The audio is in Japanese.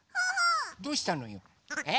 どうしたのよ？え？